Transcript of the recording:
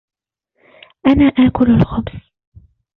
أنا آكل الخبز.